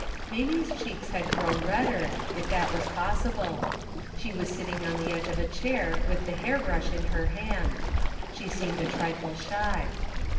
Mamie's cheeks had grown redder, if that was possible. She was sitting on the edge of a chair with the hair brush in her hand. She seemed a trifle shy.